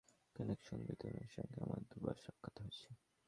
এখানে এক সুন্দরী তরুণীর সঙ্গে আমার দু-বার সাক্ষাৎ হয়েছে।